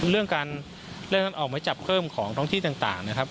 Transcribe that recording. เรื่องการเลื่อนออกไม้จับเพิ่มของท้องที่ต่างนะครับ